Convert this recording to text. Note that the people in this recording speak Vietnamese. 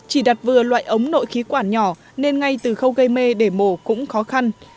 chỉ đặt vừa loại ống nội khí quản nhỏ nên ngay từ khâu gây mê để mổ cũng khó khăn